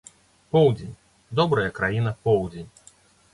Поўдзень, добрая краіна поўдзень!